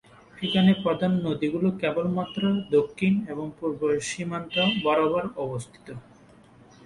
এখানের প্রধান নদীগুলি কেবলমাত্র দক্ষিণ এবং পূর্ব সীমান্ত বরাবর অবস্থিত।